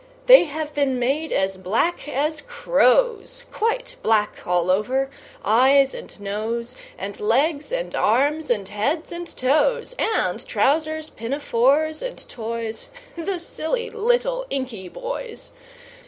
They have been made as black as crows, Quite black all over, eyes and nose, And legs, and arms, and heads, and toes, And trousers, pinafores, and toys The silly little inky boys!